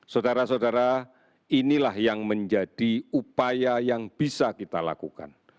saudara saudara inilah yang menjadi upaya yang bisa kita lakukan